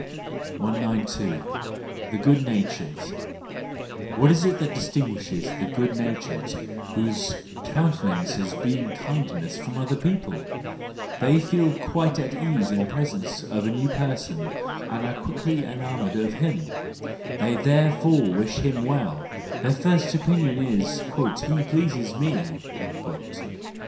192. The Good natured\ —What is it that distinguishes the good natured, whose countenances beam kind¬ ness, from other people ? They feel quite at ease in presence of a new person, and are quickly enamoured of him ; they therefore wish him well; their first opinion is: " He pleases me."